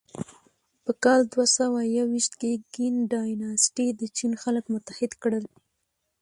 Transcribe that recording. په کال دوهسوهیوویشت کې کین ډایناسټي د چین خلک متحد کړل.